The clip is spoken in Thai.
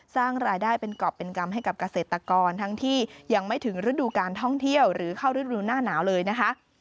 สร้างรายได้เป็นกรอบเป็นกรรมให้กับเกษตรกรทั้งที่ยังไม่ถึงฤดูการท่องเที่ยวหรือเข้าฤดูหน้าหนาวเลยนะคะ